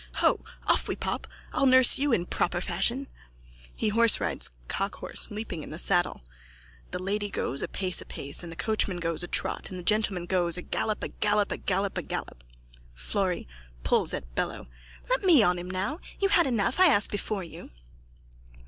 _ Ho! Off we pop! I'll nurse you in proper fashion. (He horserides cockhorse, leaping in the, in the saddle.) The lady goes a pace a pace and the coachman goes a trot a trot and the gentleman goes a gallop a gallop a gallop a gallop. FLORRY: (Pulls at Bello.) Let me on him now. You had enough. I asked before you.